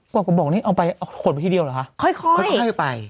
เอาไปเอาโขดไปทีเดียวเหรอคะค่อยค่อยไม่ให้ไป